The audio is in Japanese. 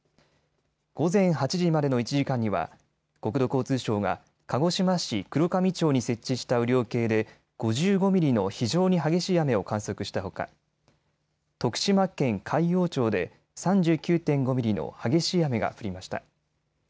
午前８時までの１時間には国土交通省が鹿児島市黒神町に設置した雨量計で５５ミリの非常に激しい雨を観測したほか徳島県海陽町で３９．５ミリの激しい雨が降りました。